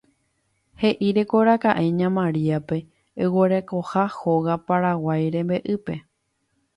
He'íjekoraka'e ña Mariápe oguerekoha hóga y Paraguái rembe'ýpe